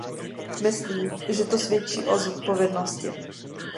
Myslím, že to svědčí o zodpovědnosti.